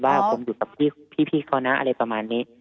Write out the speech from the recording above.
ว่าผมอยู่กับพี่เขานะอะไรประมาณนี้